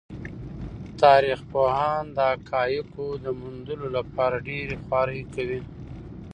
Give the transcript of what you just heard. تاریخ پوهان د حقایقو د موندلو لپاره ډېرې خوارۍ کوي.